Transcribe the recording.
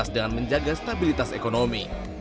dengan menjaga stabilitas ekonomi